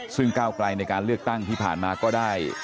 ซึ่งก้าวไกลในการเลือกตั้งที่ผ่านมาก็ได้